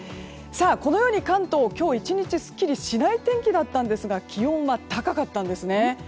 このように関東今日１日すっきりしない天気だったんですが気温は高かったんですね。